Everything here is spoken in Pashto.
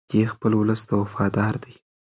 دی خپل ولس ته وفادار دی.